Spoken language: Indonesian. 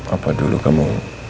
apa dulu kamu